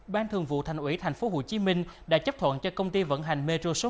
ban thường vụ thành ủy tp hcm đã chấp thuận cho công ty vận hành metro số một